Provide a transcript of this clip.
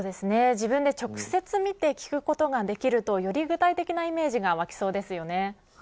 自分で直接見て聞くことができるとより具体的なイメージが湧きそうですよね。